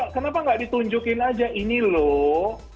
kenapa nggak ditunjukin aja ini loh